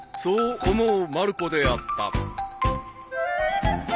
［そう思うまる子であった］